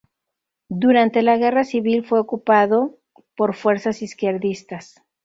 Durante la guerra civil fue ocupado por fuerzas izquierdistas.